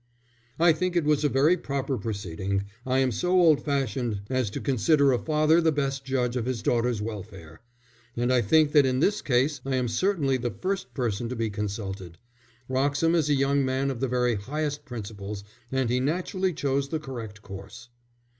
"I think it was a very proper proceeding; I am so old fashioned as to consider a father the best judge of his daughter's welfare. And I think that in this case I am certainly the first person to be consulted. Wroxham is a young man of the very highest principles, and he naturally chose the correct course."